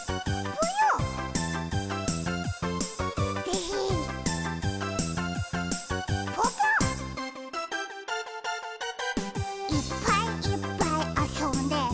ぽぽ「いっぱいいっぱいあそんで」